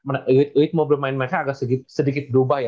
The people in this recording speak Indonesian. ritme bermain mereka agak sedikit berubah ya